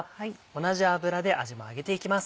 同じ油であじも揚げていきます。